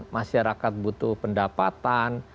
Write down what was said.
masyarakat butuh pendapatan